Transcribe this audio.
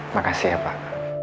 makasih ya pak